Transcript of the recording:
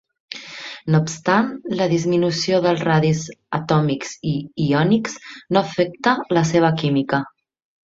No obstant, la disminució dels radis atòmic i iònic no afecta la seva química.